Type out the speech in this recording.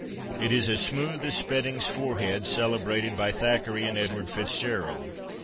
It is as smooth as Spedding's forehead, celebrated by Thackeray and Edward Fitzgerald.